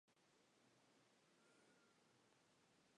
Pertenece al partido judicial de Llerena.